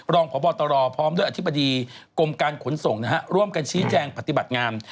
รองพบตรพร้อมด้วยอธิบดีกรมการขนส่งนะฮะร่วมกันชี้แจงปฏิบัติงาม